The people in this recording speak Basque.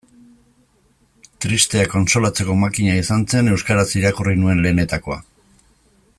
Tristeak kontsolatzeko makina izan zen euskaraz irakurri nuen lehenetakoa.